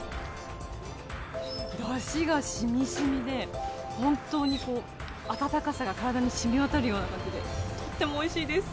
だしが染み染みで本当に温かさが体にしみわたるような感じで、とてもおいしいです。